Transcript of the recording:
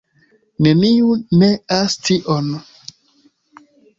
Neniu neas tion.